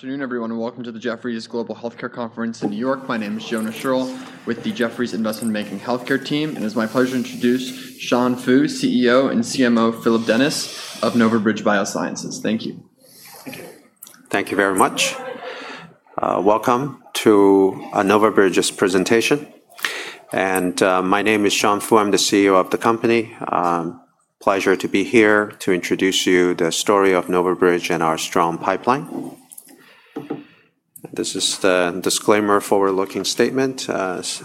Afternoon, everyone, and welcome to the Jefferies Global Healthcare Conference in New York. My name is Jonah Scherl with the Jefferies Investment Banking Healthcare team, and it's my pleasure to introduce Sean Fu, CEO and CMO, Phillip Dennis of NovaBridge Biosciences. Thank you. Thank you very much. Welcome to NovaBridge's presentation. My name is Sean Fu. I'm the CEO of the company. Pleasure to be here to introduce you the story of NovaBridge and our strong pipeline. This is the disclaimer forward-looking statement.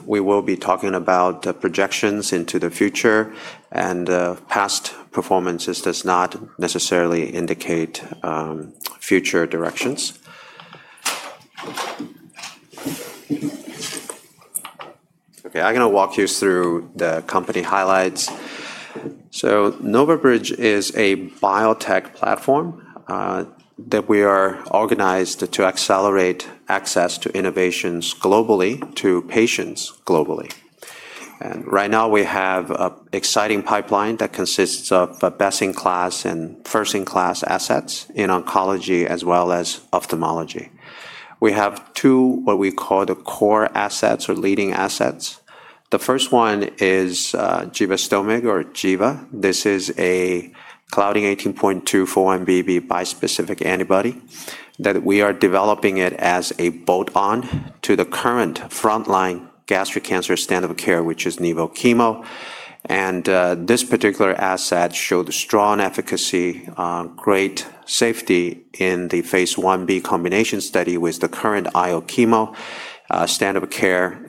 We will be talking about projections into the future, and past performances does not necessarily indicate future directions. I'm going to walk you through the company highlights. NovaBridge is a biotech platform that we are organized to accelerate access to innovations globally, to patients globally. Right now we have an exciting pipeline that consists of best-in-class and first-in-class assets in oncology as well as ophthalmology. We have two, what we call the core assets or leading assets. The first one is givastomig or giva. This is a Claudin 18.2 x 4-1BB bispecific antibody that we are developing it as a bolt-on to the current frontline gastric cancer standard of care, which is nivo/chemo. This particular asset showed strong efficacy, great safety in the phase I-A combination study with the current IO-chemo standard of care.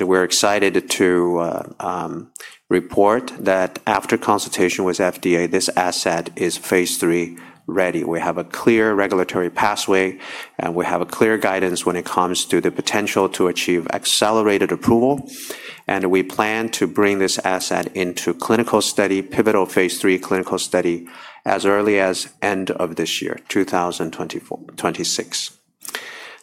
We're excited to report that after consultation with FDA, this asset is phase III-ready. We have a clear regulatory pathway, and we have a clear guidance when it comes to the potential to achieve accelerated approval. We plan to bring this asset into clinical study, pivotal phase III clinical study as early as end of this year, 2026.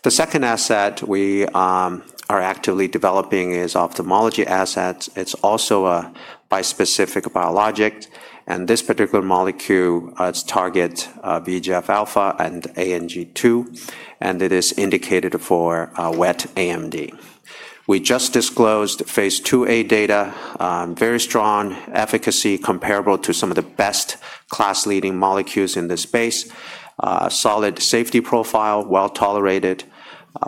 The second asset we are actively developing is ophthalmology assets. It's also a bispecific biologic, and this particular molecule targets VEGF-A and Ang-2, and it is indicated for wet AMD. We just disclosed phase II-A data, very strong efficacy comparable to some of the best class leading molecules in this space. Solid safety profile, well tolerated.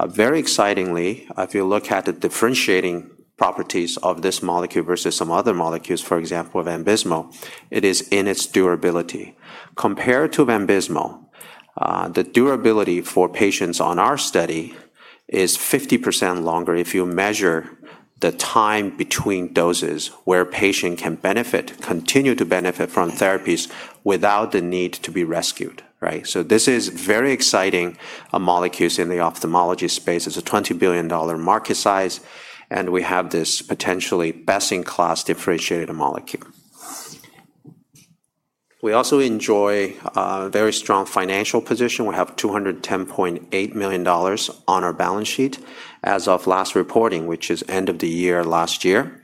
Very excitingly, if you look at the differentiating properties of this molecule versus some other molecules, for example, Vabysmo, it is in its durability. Compared to Vabysmo, the durability for patients on our study is 50% longer if you measure the time between doses where patient can benefit, continue to benefit from therapies without the need to be rescued. Right? This is very exciting molecules in the ophthalmology space. It's a $20 billion market size, and we have this potentially best-in-class differentiated molecule. We also enjoy a very strong financial position. We have $210.8 million on our balance sheet as of last reporting, which is end of the year, last year.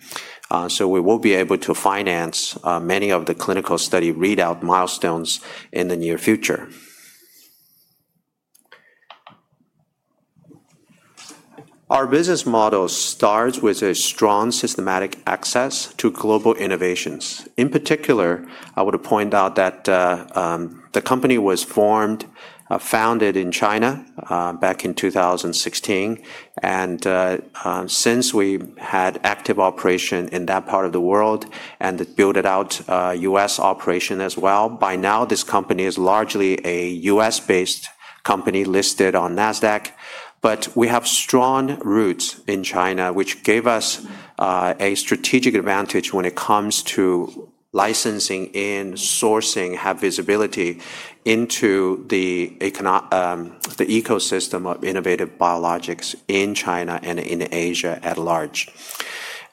We will be able to finance many of the clinical study readout milestones in the near future. Our business model starts with a strong systematic access to global innovations. In particular, I would point out that the company was formed, founded in China back in 2016, and since we had active operation in that part of the world and built out U.S. operation as well. By now, this company is largely a U.S.-based company listed on Nasdaq, but we have strong roots in China, which gave us a strategic advantage when it comes to licensing and sourcing, have visibility into the ecosystem of innovative biologics in China and in Asia at large.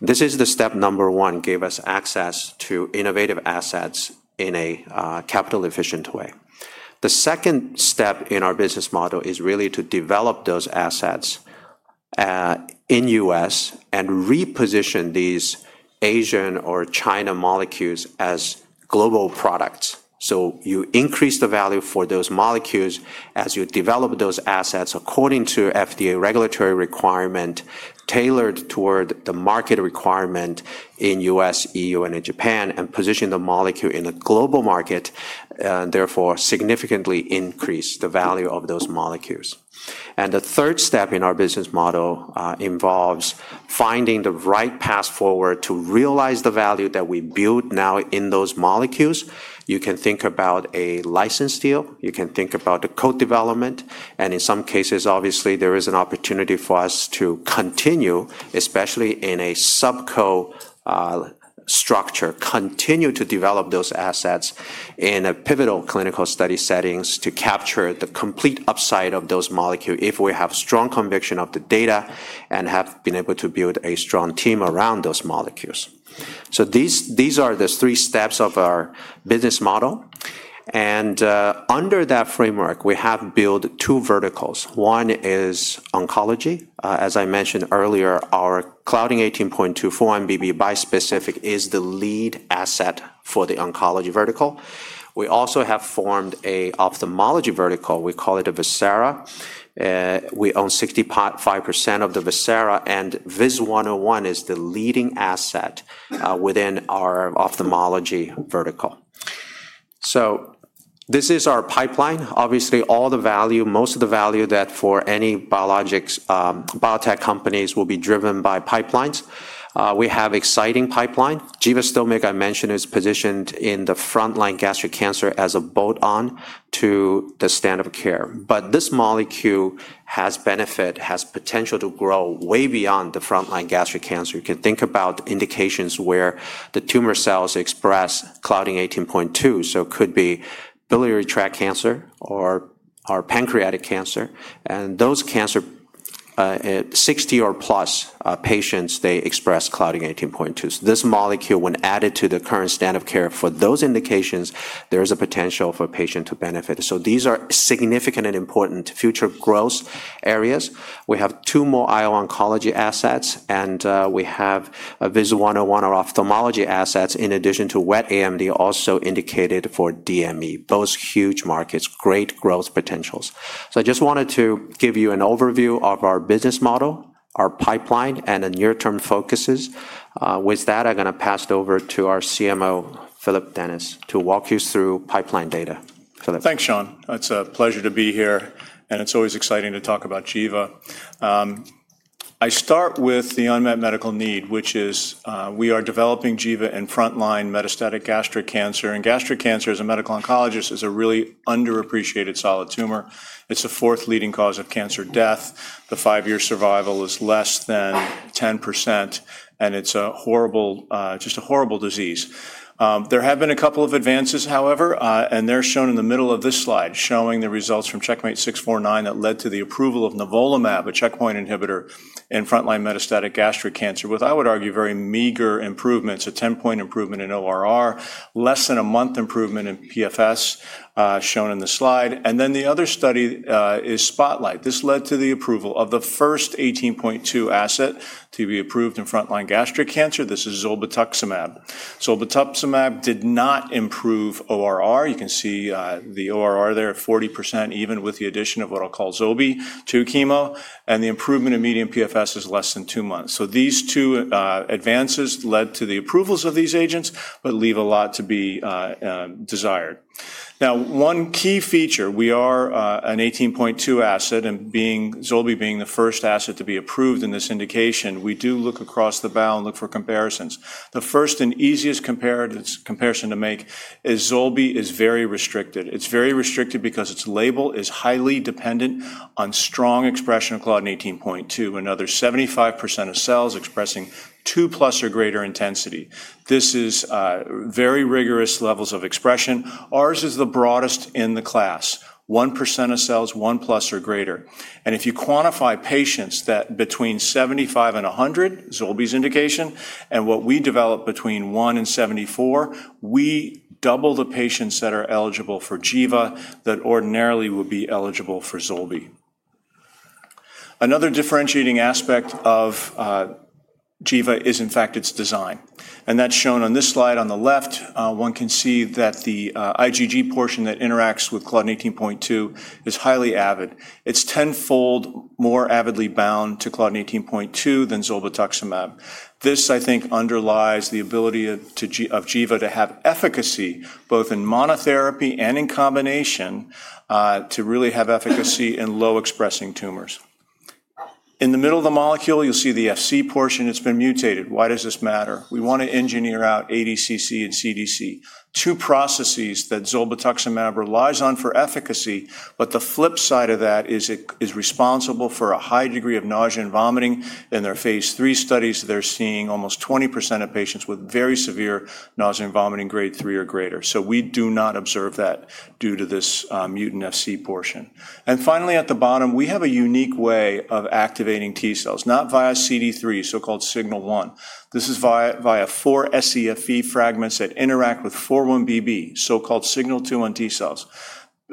This is the Step number 1, gave us access to innovative assets in a capital efficient way. The second step in our business model is really to develop those assets in U.S. and reposition these Asian or China molecules as global products. You increase the value for those molecules as you develop those assets according to FDA regulatory requirement, tailored toward the market requirement in U.S., E.U., and in Japan, and position the molecule in a global market, therefore significantly increase the value of those molecules. The third step in our business model involves finding the right path forward to realize the value that we build now in those molecules. You can think about a license deal, you can think about the co-development, and in some cases, obviously, there is an opportunity for us to continue, especially in a subco structure, continue to develop those assets in a pivotal clinical study settings to capture the complete upside of those molecule if we have strong conviction of the data and have been able to build a strong team around those molecules. These are the three steps of our business model. Under that framework, we have built two verticals. One is oncology. As I mentioned earlier, our Claudin 18.2 x 4-1BB bispecific is the lead asset for the oncology vertical. We also have formed an ophthalmology vertical. We call it Visara. We own 65% of Visara, and VIS-101 is the leading asset within our ophthalmology vertical. This is our pipeline. Obviously, most of the value for any biotech companies will be driven by pipelines. We have exciting pipeline. Givastomig, I mentioned, is positioned in the frontline gastric cancer as a bolt-on to the standard of care. This molecule has potential to grow way beyond the frontline gastric cancer. You can think about indications where the tumor cells express Claudin 18.2, so it could be biliary tract cancer or pancreatic cancer. Those cancer, 60 or plus patients, they express Claudin 18.2. This molecule, when added to the current standard of care for those indications, there is a potential for patient to benefit. These are significant and important future growth areas. We have two more IO oncology assets, and we have VIS-101, our ophthalmology assets, in addition to wet AMD, also indicated for DME. Those huge markets, great growth potentials. I just wanted to give you an overview of our business model, our pipeline, and the near-term focuses. With that, I'm going to pass it over to our CMO, Phillip Dennis, to walk you through pipeline data. Phillip. Thanks, Sean. It's a pleasure to be here, and it's always exciting to talk about giva. I start with the unmet medical need, which is we are developing giva in frontline metastatic gastric cancer. Gastric cancer, as a medical oncologist, is a really underappreciated solid tumor. It's the fourth leading cause of cancer death. The five-year survival is less than 10%, and it's just a horrible disease. There have been a couple of advances, however, and they're shown in the middle of this slide, showing the results from CheckMate 649 that led to the approval of nivolumab, a checkpoint inhibitor in frontline metastatic gastric cancer with, I would argue, very meager improvements, a 10-point improvement in ORR, less than a month improvement in PFS, shown in the slide. The other study is SPOTLIGHT. This led to the approval of the first 18.2 asset to be approved in frontline gastric cancer. This is zolbetuximab. Zolbetuximab did not improve ORR. You can see the ORR there at 40%, even with the addition of what I'll call zoby to chemo, and the improvement in median PFS is less than two months. These two advances led to the approvals of these agents, but leave a lot to be desired. One key feature, we are an 18.2 asset, and zoby being the first asset to be approved in this indication, we do look across the bow and look for comparisons. The first and easiest comparison to make is zoby is very restricted. It's very restricted because its label is highly dependent on strong expression of Claudin 18.2, another 75% of cells expressing two-plus or greater intensity. This is very rigorous levels of expression. Ours is the broadest in the class, 1% of cells, one-plus or greater. If you quantify patients that between 75% and 100%, zoby's indication, and what we develop between 1% and 74%, we double the patients that are eligible for giva that ordinarily would be eligible for zoby. Another differentiating aspect of giva is, in fact, its design, and that's shown on this slide on the left. One can see that the IgG portion that interacts with Claudin 18.2 is highly avid. It's tenfold more avidly bound to Claudin 18.2 than zolbetuximab. This, I think, underlies the ability of giva to have efficacy, both in monotherapy and in combination to really have efficacy in low-expressing tumors. In the middle of the molecule, you'll see the Fc portion that's been mutated. Why does this matter? We want to engineer out ADCC and CDC, two processes that zolbetuximab relies on for efficacy, but the flip side of that is responsible for a high degree of nausea and vomiting. In their phase III studies, they're seeing almost 20% of patients with very severe nausea and vomiting, Grade 3 or greater. We do not observe that due to this mutant Fc portion. Finally, at the bottom, we have a unique way of activating T cells, not via CD3, so-called signal 1. This is via four scFv fragments that interact with 4-1BB, so-called signal 2 on T cells.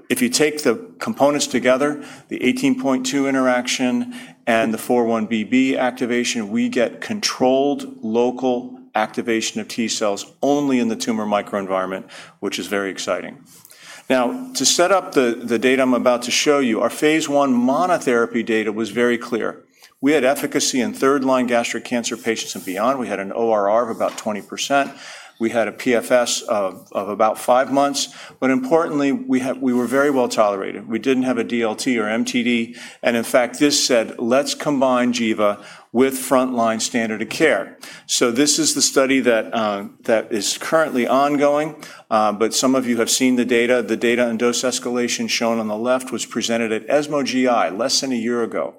If you take the components together, the 18.2 interaction and the 4-1BB activation, we get controlled local activation of T cells only in the tumor microenvironment, which is very exciting. To set up the data I'm about to show you, our phase I monotherapy data was very clear. We had efficacy in third-line gastric cancer patients and beyond. We had an ORR of about 20%. We had a PFS of about five months. Importantly, we were very well-tolerated. We didn't have a DLT or MTD, and in fact, this said, "Let's combine giva with frontline standard of care." This is the study that is currently ongoing, but some of you have seen the data. The data on dose escalation shown on the left was presented at ESMO GI less than a year ago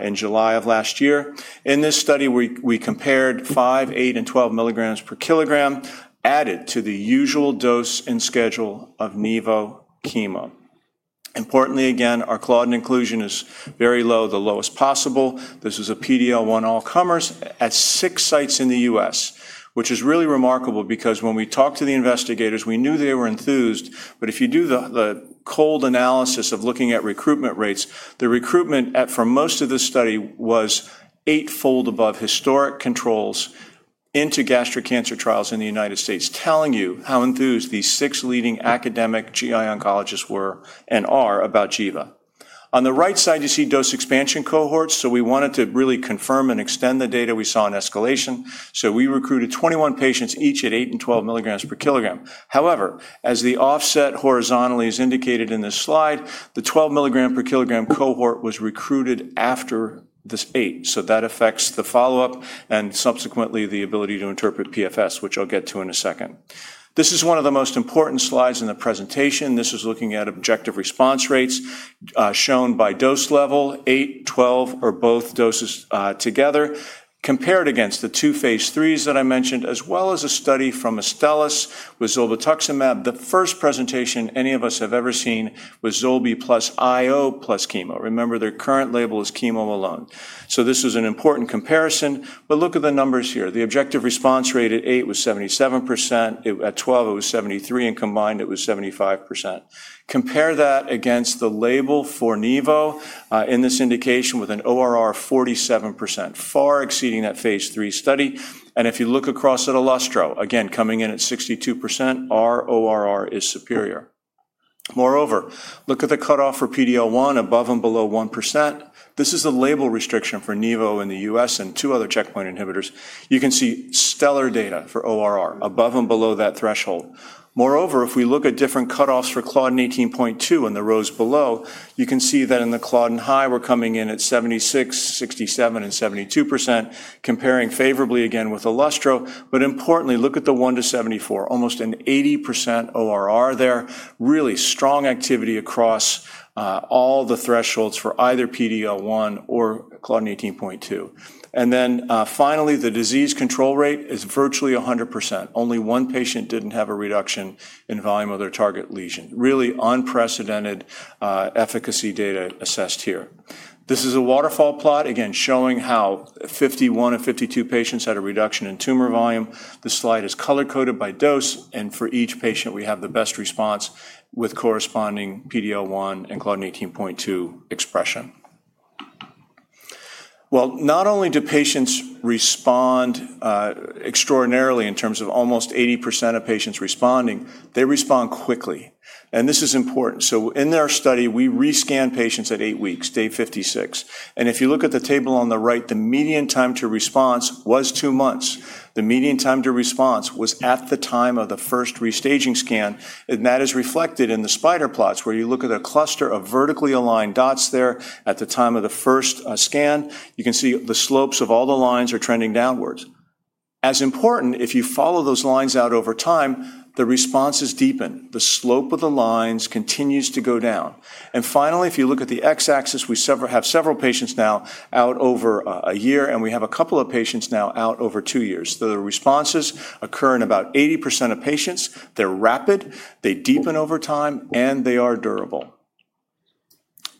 in July of last year. In this study, we compared five, eight, and 12 mg/kg added to the usual dose and schedule of nivo/chemo. Importantly, again, our claudin inclusion is very low, the lowest possible. This is a PD-L1 all comers at six sites in the U.S., which is really remarkable, when we talked to the investigators, we knew they were enthused. If you do the cold analysis of looking at recruitment rates, the recruitment for most of this study was eightfold above historic controls into gastric cancer trials in the United States, telling you how enthused these six leading academic GI oncologists were and are about giva. On the right side, you see dose expansion cohorts. We wanted to really confirm and extend the data we saw in escalation. We recruited 21 patients, each at eight and 12 mg/kg. However, as the offset horizontally is indicated in this slide, the 12 mg/kg cohort was recruited after this eight. That affects the follow-up and subsequently the ability to interpret PFS, which I'll get to in a second. This is one of the most important slides in the presentation. This is looking at objective response rates shown by dose level, eight, 12, or both doses together, compared against the two phase IIIs that I mentioned, as well as a study from Astellas with zolbetuximab, the first presentation any of us have ever seen with zoby plus IO plus chemo. Remember, their current label is chemo alone. This was an important comparison, but look at the numbers here. The objective response rate at eight was 77%, at 12 it was 73%, and combined it was 75%. Compare that against the label for nivo in this indication with an ORR 47%, far exceeding that phase III study. If you look across at ILUSTRO, again, coming in at 62%, our ORR is superior. Moreover, look at the cutoff for PD-L1 above and below 1%. This is a label restriction for nivo in the U.S. and two other checkpoint inhibitors. You can see stellar data for ORR above and below that threshold. Moreover, if we look at different cutoffs for Claudin 18.2 in the rows below, you can see that in the Claudin-high, we're coming in at 76%, 67%, and 72%, comparing favorably again with ILUSTRO. Importantly, look at the 1%-74%, almost an 80% ORR there. Really strong activity across all the thresholds for either PD-L1 or Claudin 18.2. Finally, the disease control rate is virtually 100%. Only one patient didn't have a reduction in volume of their target lesion. Really unprecedented efficacy data assessed here. This is a waterfall plot, again, showing how 51 of 52 patients had a reduction in tumor volume. This slide is color-coded by dose, and for each patient, we have the best response with corresponding PD-L1 and Claudin 18.2 expression. Well, not only do patients respond extraordinarily in terms of almost 80% of patients responding, they respond quickly. This is important. In our study, we re-scan patients at eight weeks, day 56. If you look at the table on the right, the median time to response was two months. The median time to response was at the time of the first restaging scan, and that is reflected in the spider plots, where you look at a cluster of vertically aligned dots there at the time of the first scan. You can see the slopes of all the lines are trending downwards. Important, if you follow those lines out over time, the responses deepen. The slope of the lines continues to go down. Finally, if you look at the X-axis, we have several patients now out over a year, and we have a couple of patients now out over two years. The responses occur in about 80% of patients. They're rapid, they deepen over time, and they are durable.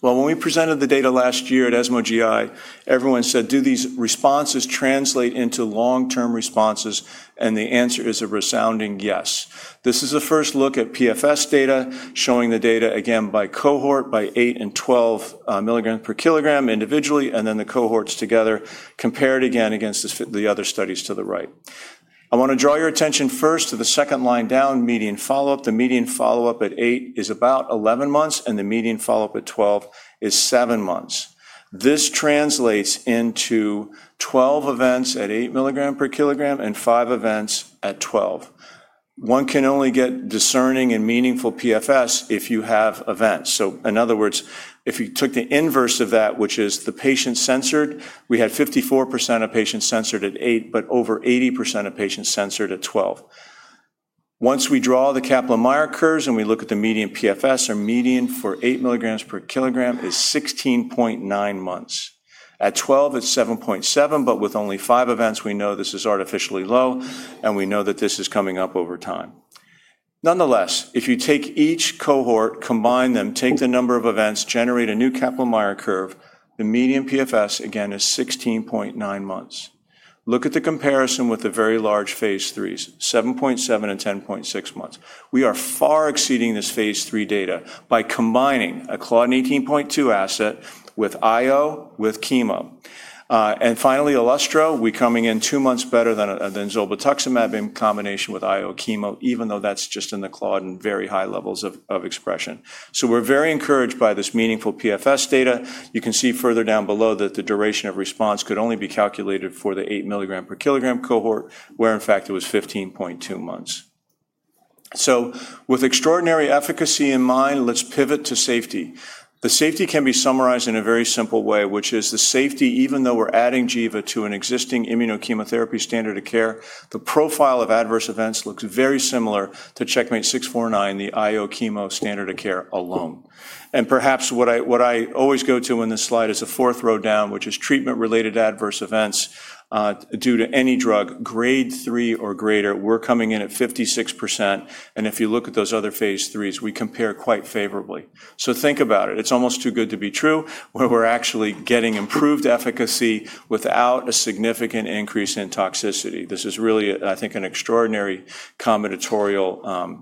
Well, when we presented the data last year at ESMO GI, everyone said, "Do these responses translate into long-term responses?" The answer is a resounding yes. This is a first look at PFS data, showing the data again by cohort, by eight and 12 mg/kg individually, and then the cohorts together, compared again against the other studies to the right. I want to draw your attention first to the second line down, median follow-up. The median follow-up at 8 is about 11 months, and the median follow-up at 12 is seven months. This translates into 12 events at 8 mg/kg and five events at 12 mg/kg. One can only get discerning and meaningful PFS if you have events. In other words, if you took the inverse of that, which is the patients censored, we had 54% of patients censored at 8 mg/kg, but over 80% of patients censored at 12 mg/kg. Once we draw the Kaplan-Meier curves and we look at the median PFS, our median for 8 mg/kg is 16.9 months. At 12 mg/kg, it's 7.7 months, but with only five events, we know this is artificially low, and we know that this is coming up over time. Nonetheless, if you take each cohort, combine them, take the number of events, generate a new Kaplan-Meier curve, the median PFS again is 16.9 months. Look at the comparison with the very large phase III, 7.7 and 10.6 months. We are far exceeding this phase III data by combining a Claudin 18.2 asset with IO, with chemo. Finally, ILUSTRO, we're coming in two months better than zolbetuximab in combination with IO-chemo, even though that's just in the Claudin very high levels of expression. We're very encouraged by this meaningful PFS data. You can see further down below that the duration of response could only be calculated for the 8 mg/kg cohort, where in fact it was 15.2 months. With extraordinary efficacy in mind, let's pivot to safety. The safety can be summarized in a very simple way, which is the safety, even though we're adding giva to an existing immunochemotherapy standard of care, the profile of adverse events looks very similar to CheckMate 649, the IO-chemo standard of care alone. Perhaps what I always go to in this slide is the fourth row down, which is treatment-related adverse events due to any drug, Grade 3 or greater. We're coming in at 56%, and if you look at those other phase III, we compare quite favorably. Think about it. It's almost too good to be true, where we're actually getting improved efficacy without a significant increase in toxicity. This is really, I think, an extraordinary combinatorial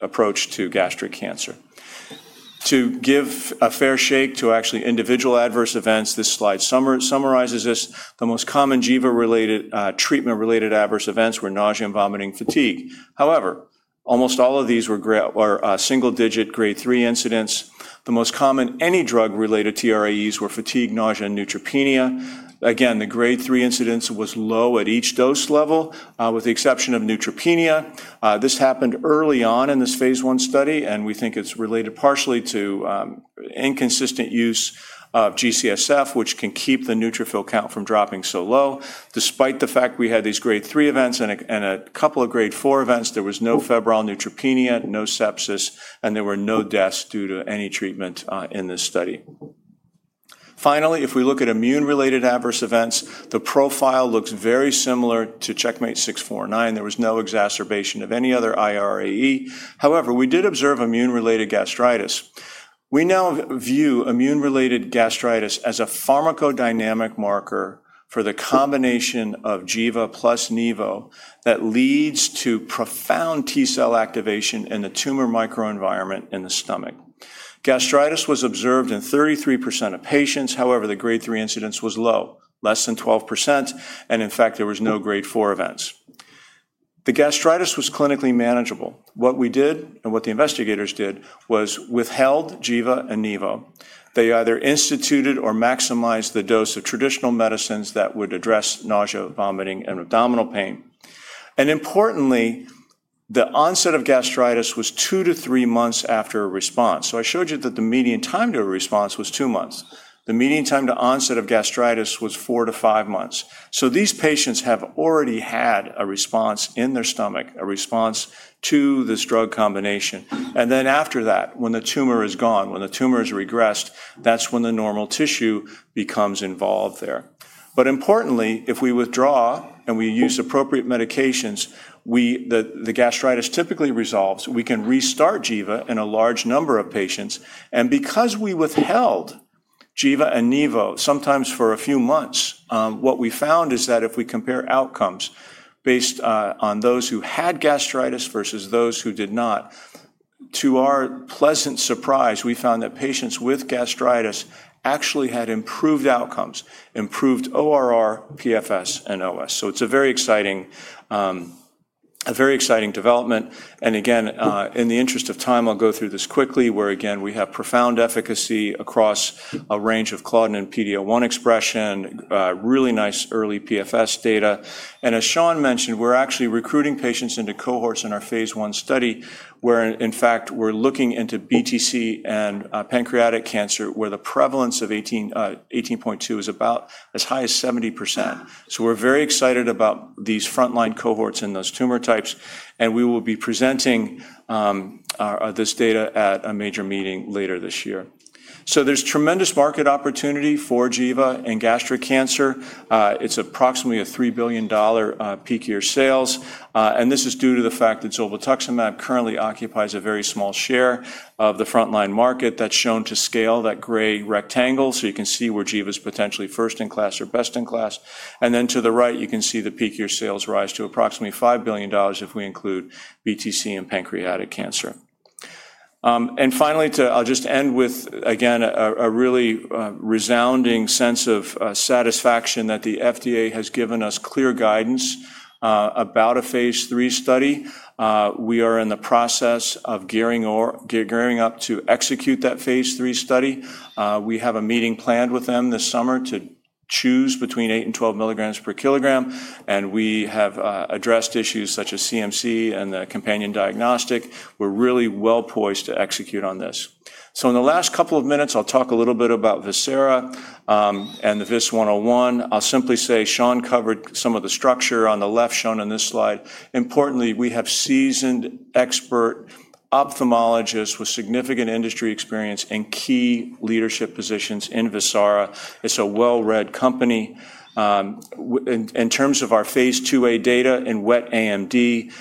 approach to gastric cancer. To give a fair shake to actually individual adverse events, this slide summarizes this. The most common giva treatment-related adverse events were nausea, vomiting, fatigue. However, almost all of these were single-digit Grade 3 incidents. The most common any drug-related TRAEs were fatigue, nausea, and neutropenia. Again, the Grade 3 incidence was low at each dose level, with the exception of neutropenia. This happened early on in this phase I study, and we think it's related partially to inconsistent use of G-CSF, which can keep the neutrophil count from dropping so low. Despite the fact we had these Grade 3 events and a couple of Grade 4 events, there was no febrile neutropenia, no sepsis, and there were no deaths due to any treatment in this study. Finally, if we look at immune-related adverse events, the profile looks very similar to CheckMate 649. There was no exacerbation of any other irAE. However, we did observe immune-related gastritis. We now view immune-related gastritis as a pharmacodynamic marker for the combination of giva plus nivo that leads to profound T cell activation in the tumor microenvironment in the stomach. Gastritis was observed in 33% of patients. However, the Grade 3 incidence was low, less than 12%, and in fact, there were no Grade 4 events. The gastritis was clinically manageable. What we did, and what the investigators did, was withheld giva and nivo. They either instituted or maximized the dose of traditional medicines that would address nausea, vomiting, and abdominal pain. Importantly, the onset of gastritis was two to three months after a response. I showed you that the median time to a response was two months. The median time to onset of gastritis was four to five months. These patients have already had a response in their stomach, a response to this drug combination. After that, when the tumor is gone, when the tumor is regressed, that's when the normal tissue becomes involved there. Importantly, if we withdraw and we use appropriate medications, the gastritis typically resolves. We can restart giva in a large number of patients. Because we withheld giva and nivo, sometimes for a few months, what we found is that if we compare outcomes based on those who had gastritis versus those who did not, to our pleasant surprise, we found that patients with gastritis actually had improved outcomes, improved ORR, PFS, and OS. It's a very exciting development. Again, in the interest of time, I'll go through this quickly, where again, we have profound efficacy across a range of claudin and PD-L1 expression, really nice early PFS data. As Sean mentioned, we're actually recruiting patients into cohorts in our phase I study, where in fact, we're looking into BTC and pancreatic cancer, where the prevalence of 18.2 is about as high as 70%. We're very excited about these frontline cohorts and those tumor types, and we will be presenting this data at a major meeting later this year. There's tremendous market opportunity for giva in gastric cancer. It's approximately a $3 billion peak year sales, and this is due to the fact that zolbetuximab currently occupies a very small share of the frontline market that's shown to scale, that gray rectangle, so you can see where giva's potentially first in class or best in class. To the right, you can see the peak year sales rise to approximately $5 billion if we include BTC and pancreatic cancer. Finally, I'll just end with, again, a really resounding sense of satisfaction that the FDA has given us clear guidance about a phase III study. We are in the process of gearing up to execute that phase III study. We have a meeting planned with them this summer to choose between eight and 12 mg/kg, and we have addressed issues such as CMC and the companion diagnostic. We're really well-poised to execute on this. In the last couple of minutes, I'll talk a little bit about Visara and the VIS-101. I'll simply say Sean covered some of the structure on the left shown on this slide. Importantly, we have seasoned expert ophthalmologists with significant industry experience in key leadership positions in Visara. It's a well-read company. In terms of our phase II-A data in wet AMD,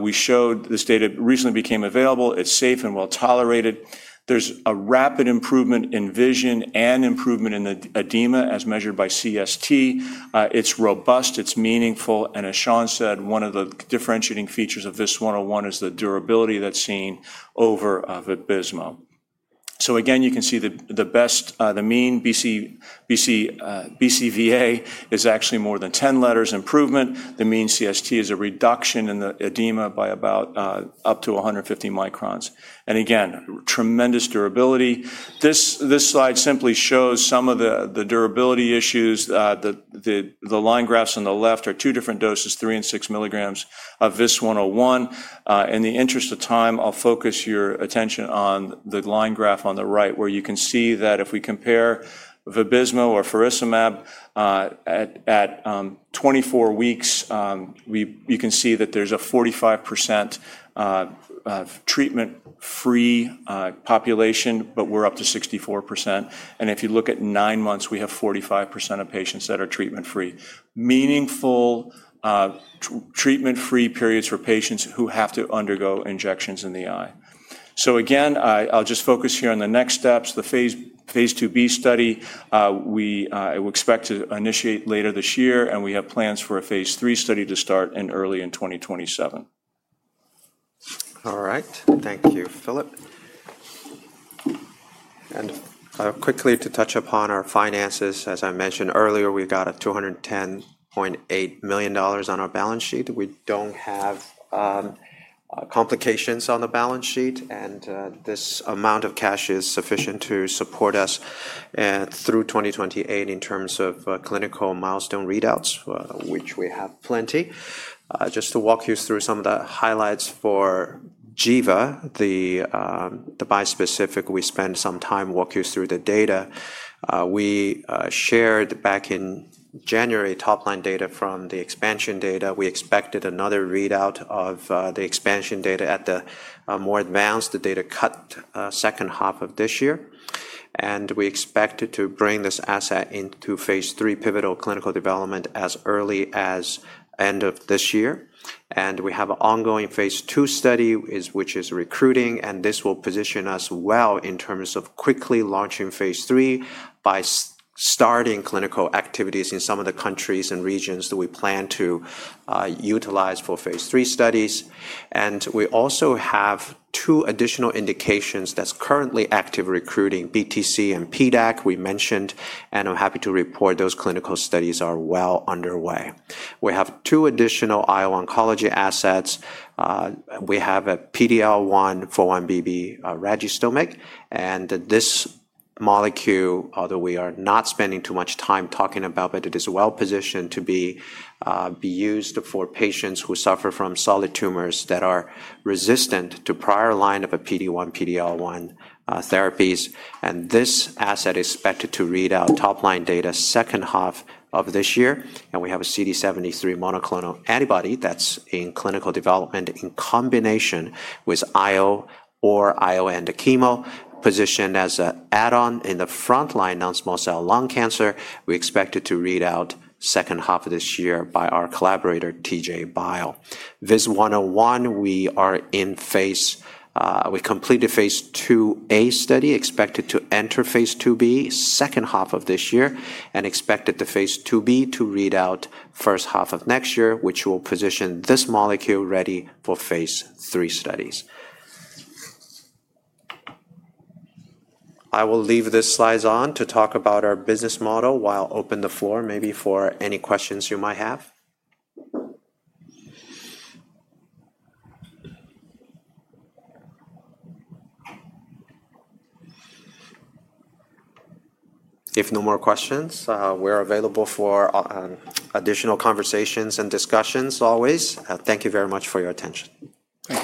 we showed this data recently became available. It's safe and well-tolerated. There's a rapid improvement in vision and improvement in the edema as measured by CST. It's robust, it's meaningful. As Sean said, one of the differentiating features of VIS-101 is the durability that's seen over Vabysmo. Again, you can see the mean BCVA is actually more than 10 letters improvement. The mean CST is a reduction in the edema by about up to 150 microns. Again, tremendous durability. This slide simply shows some of the durability issues. The line graphs on the left are two different doses, 3 mg and 6 mg of VIS-101. In the interest of time, I'll focus your attention on the line graph on the right, where you can see that if we compare Vabysmo or faricimab at 24 weeks, you can see that there's a 45% treatment-free population, but we're up to 64%. If you look at nine months, we have 45% of patients that are treatment free. Meaningful treatment-free periods for patients who have to undergo injections in the eye. Again, I'll just focus here on the next steps, the phase II-B study. We expect to initiate later this year, and we have plans for a phase III study to start in early 2027. All right. Thank you, Phillip. Quickly to touch upon our finances, as I mentioned earlier, we've got a $210.8 million on our balance sheet. We don't have complications on the balance sheet, and this amount of cash is sufficient to support us through 2028 in terms of clinical milestone readouts, which we have plenty. Just to walk you through some of the highlights for giva, the bispecific, we spend some time walk you through the data. We shared back in January top line data from the expansion data. We expected another readout of the expansion data at the more advanced data cut second half of this year. We expected to bring this asset into phase III pivotal clinical development as early as end of this year. We have an ongoing phase II study which is recruiting, and this will position us well in terms of quickly launching phase III by starting clinical activities in some of the countries and regions that we plan to utilize for phase III studies. We also have two additional indications that's currently active recruiting BTC and PDAC we mentioned, and I'm happy to report those clinical studies are well underway. We have two additional IO oncology assets. We have a PD-L1 4-1BB ragistomig. This molecule, although we are not spending too much time talking about, but it is well-positioned to be used for patients who suffer from solid tumors that are resistant to prior line of a PD-1, PD-L1 therapies. This asset is expected to read out top line data second half of this year. We have a CD73 monoclonal antibody that's in clinical development in combination with IO or IO and a chemo positioned as an add-on in the frontline non-small cell lung cancer. We expect it to read out second half of this year by our collaborator, TJ Bio. VIS-101, we completed phase II-A study, expected to enter phase II-B second half of this year and expected the phase II-B to read out first half of next year, which will position this molecule ready for phase III studies. I will leave these slides on to talk about our business model while open the floor, maybe for any questions you might have. If no more questions, we're available for additional conversations and discussions always. Thank you very much for your attention. Thank you.